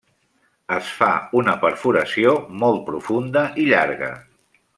Es fa una perforació molt profunda i llarga.